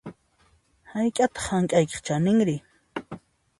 Hayk'ataq hank'aykiq chaninri?